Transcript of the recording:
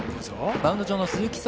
マウンド上の鈴木翔